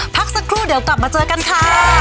พักสักครู่เดี๋ยวกลับมาเจอกันค่ะ